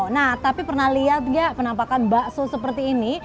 nah tapi pernah lihat nggak penampakan bakso seperti ini